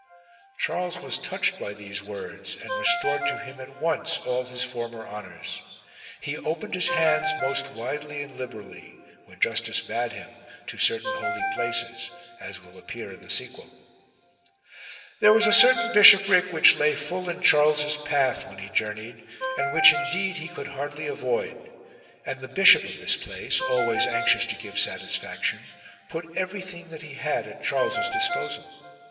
Charles was touched by these words and restored to him at once all his former honours. He opened his hands, most widely and liberally, when justice bade him, to certain holy places, as will appear in the sequel. 14. There was a certain bishopric which lay full in Charles's path when he journeyed, and which indeed he could hardly avoid : and the bishop of this place, always anxious to give satisfaction, put everything that he had at Charles's disposal.